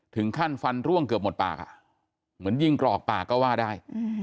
ถึงขั้นฟันร่วงเกือบหมดปากเหมือนยิงกรอกปากก็ว่าได้